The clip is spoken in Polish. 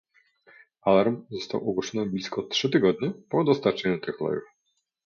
Alarm został ogłoszony blisko trzy tygodnie po dostarczeniu tych olejów